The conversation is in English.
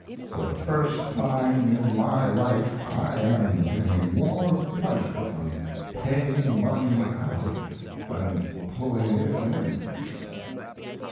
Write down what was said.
For the first time in my life I am getting more pleasure from paying money out than pulling it in.